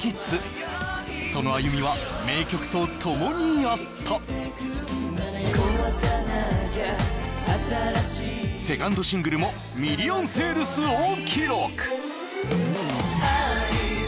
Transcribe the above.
その歩みは名曲とともにあったセカンドシングルもミリオンセールスを記録